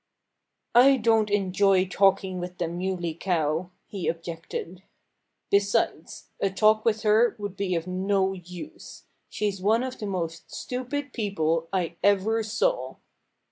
"I don't enjoy talking with the Muley Cow," he objected. "Besides, a talk with her would be of no use. She's one of the most stupid people I ever saw."